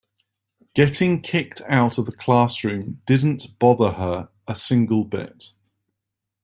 Getting kicked out of the classroom didn't bother her a single bit.